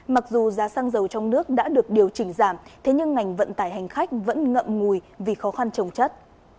mặc dù giá xăng dầu trong nước đã được điều chỉnh giảm thế nhưng ngành vận tải hành khách vẫn ngậm ngùi vì khó khăn trồng chất